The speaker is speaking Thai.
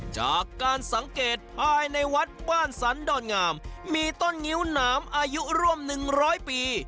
จากการสังเกตภายในวัดบ้านสันดอนงามมีต้นงิ้วหนามอายุร่วม๑๐๐ปี